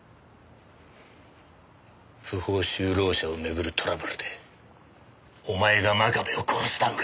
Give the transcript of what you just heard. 不法就労者を巡るトラブルでお前が真壁を殺したのか？